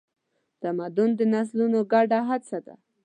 تمدن د نسلونو ګډه هڅه ده.